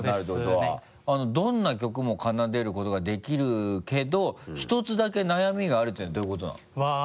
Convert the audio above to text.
どんな曲も奏でることができるけど１つだけ悩みがあるっていうのはどういうことなの？